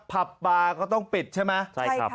ผับปลาก็ต้องปิดใช่ไหม